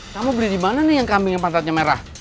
kamu beli di mana nih yang kambing yang pangkatnya merah